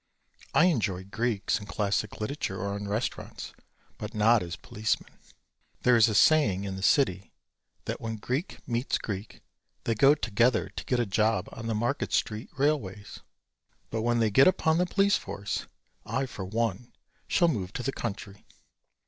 I enjoy Greeks in classic literature or in restaurants, but not as policemen. There is a saying in the city that when Greek meets Greek they go together to get a job on the Market Street Railways. But when they get upon the police force, I for one, shall move to the country.